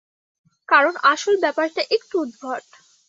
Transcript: কারণ আসলে ব্যাপারটা একটু উদ্ভট।